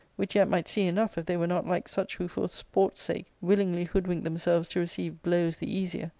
which yet might see enough if they were not like such who for sport sake willingly hoodwink themselves to receive blows the easier.